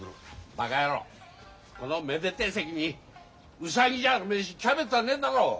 バカヤローこのめでてえ席にウサギじゃあるめえしキャベツはねえだろ！